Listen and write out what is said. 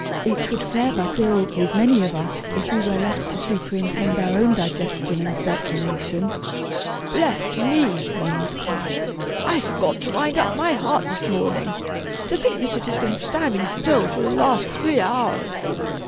It would fare but ill with many of us if we were left to superintend our own digestion and circulation. 'Bless me!' one would cry, 'I forgot to wind up my heart this morning! To think that it has been standing still for the last three hours!'